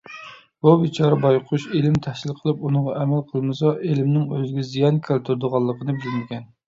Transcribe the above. بۇ بىچارە بايقۇش ئىلىم تەھسىل قىلىپ ئۇنىڭغا ئەمەل قىلمىسا ئىلىمنىڭ ئۆزىگە زىيان كەلتۈرىدىغانلىقىنى بىلمىگەن.